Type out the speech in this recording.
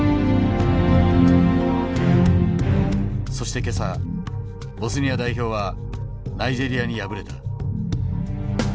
そして今朝ボスニア代表はナイジェリアに敗れた。